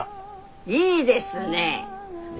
いいですね。